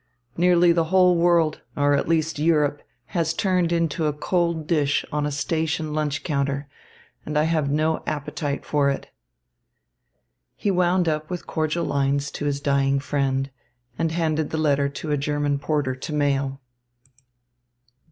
Nearly the whole world, or, at least Europe, has turned into a cold dish on a station lunch counter, and I have no appetite for it. He wound up with cordial lines to his dying friend, and handed the letter to a German porter to mail.